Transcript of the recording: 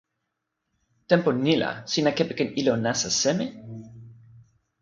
tenpo ni la sina kepeken ilo nasa seme?